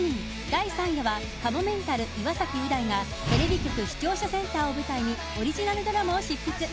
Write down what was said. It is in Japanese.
第３夜はかもめんたる、岩崎う大がテレビ局視聴者センターを舞台にオリジナルドラマを執筆。